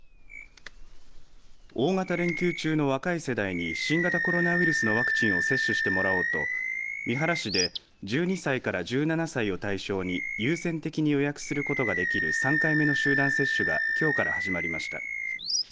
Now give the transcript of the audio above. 大型連休中の若い世代に新型コロナウイルスのワクチンを接種してもらおうと三原市で１２歳から１７歳を対象に優先的に予約することができる３回目の集団接種がきょうから始まりました。